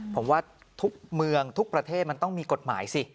ผมว่าทุกเมืองทุกประเทศมันต้องมีกฎหมายสิ